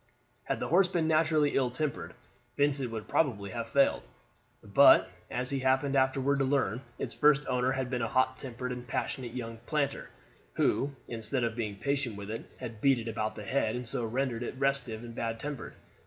Had the horse been naturally ill tempered Vincent would probably have failed, but, as he happened afterward to learn, its first owner had been a hot tempered and passionate young planter, who, instead of being patient with it, had beat it about the head, and so rendered it restive and bad tempered.